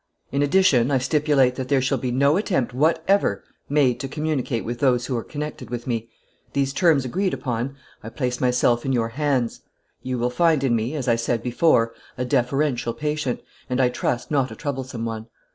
In addition, I stipulate that there shall be no attempt whatever made to communicate with those who are connected with me: these terms agreed upon, I place myself in your hands. You will find in me, as I said before, a deferential patient, and I trust not a troublesome one.